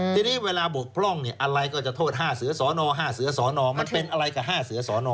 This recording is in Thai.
ทีนี้เวลาบกพร่องอะไรก็จะโทษ๕เสือสอนอ๕เสือสอนอมันเป็นอะไรกับ๕เสือสอนอ